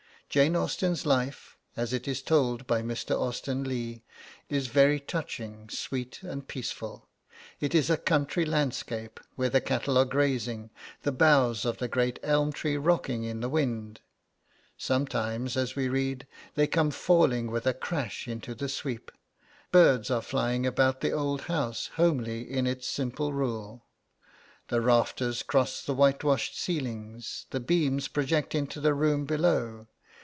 Jane Austen's life, as it is told by Mr. Austen Legh, is very touching, sweet, and peaceful. It is a country landscape, where the cattle are grazing, the boughs of the great elm tree rocking in the wind: sometimes, as we read, they come falling with a crash into the sweep; birds are flying about the old house, homely in its simple rule. The rafters cross the whitewashed ceilings, the beams project into the room below.